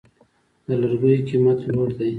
د لرګیو قیمت لوړ دی؟